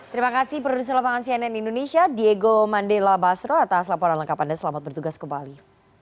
terima kasih produser lapangan cnn indonesia diego mandela basro atas laporan lengkap anda selamat bertugas kembali